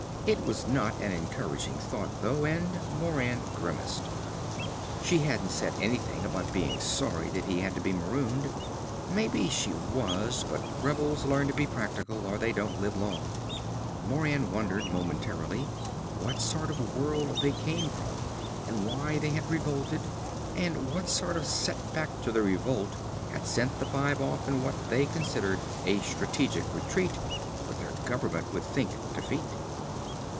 It was not an encouraging thought, though, and Moran grimaced. She hadn't said anything about being sorry that he had to be marooned. Maybe she was, but rebels learn to be practical or they don't live long. Moran wondered, momentarily, what sort of world they came from and why they had revolted, and what sort of set back to the revolt had sent the five off in what they considered a strategic retreat but their government would think defeat.